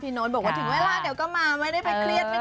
โน๊ตบอกว่าถึงเวลาเดี๋ยวก็มาไม่ได้ไปเครียด